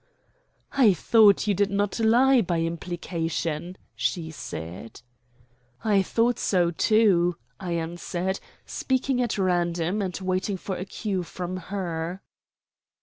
"I thought you did not lie by implication," she said. "I thought so, too," I answered, speaking at random, and waiting for a cue from her.